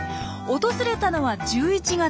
訪れたのは１１月。